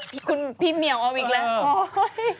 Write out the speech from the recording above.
พี่เหนียวอวก์อีกแล้ว